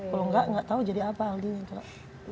kalau enggak enggak tahu jadi apa aldi itu